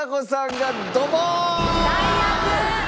最悪！